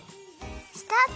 スタート！